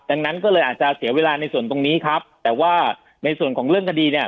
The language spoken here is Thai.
ดังนั้นก็เลยอาจจะเสียเวลาในส่วนตรงนี้ครับแต่ว่าในส่วนของเรื่องคดีเนี่ย